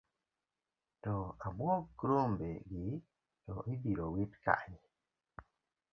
To abuog rombegi to ibiro wit kanye?